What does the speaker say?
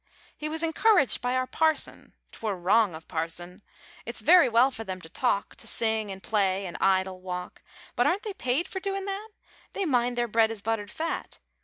He was encouraged by our parson! T'wer wrong of parson! It's very well for them to talk To sing an' play and idle, walk, But aren't they paid for doin' that? They mind their bread is buttered fat.